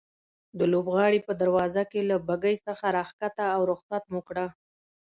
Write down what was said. د لوبغالي په دروازه کې له بګۍ څخه راکښته او رخصت مو کړه.